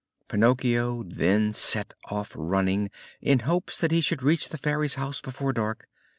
Pinocchio then set off running, in hopes that he should reach the Fairy's house before dark.